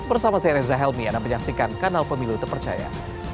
bersama saya reza helmi anda menyaksikan kanal pemilu terpercaya